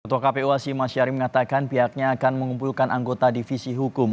ketua kpu hashim asyari mengatakan pihaknya akan mengumpulkan anggota divisi hukum